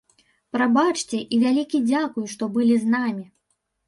Прабачце і вялікі дзякуй, што былі з намі!